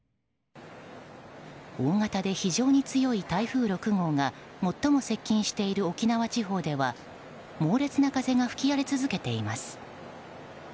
大型で非常に強い台風６号が最も接近している沖縄地方では猛烈な風が吹き荒れ続けています。